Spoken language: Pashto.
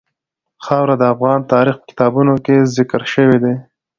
خاوره د افغان تاریخ په کتابونو کې ذکر شوی دي.